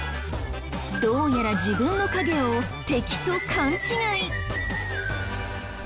どうやら自分の影を敵と勘違い。